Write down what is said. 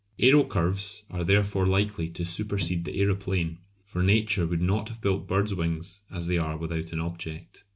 "Aerocurves" are therefore likely to supersede the "aeroplane," for Nature would not have built bird's wings as they are without an object.